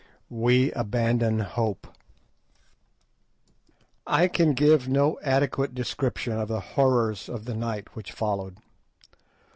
WE ABANDON HOPE I can give no adequate description of the horrors of the night which followed.